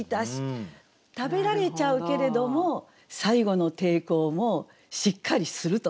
食べられちゃうけれども最後の抵抗もしっかりすると。